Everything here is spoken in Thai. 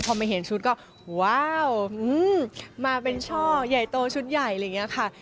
พอมาเห็นชุดก็ว้าวมาเป็นช่อใหญ่โตชุดใหญ่อะไรอย่างนี้ค่ะ